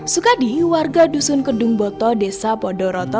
sukadi warga dusun kedung boto desa podoroto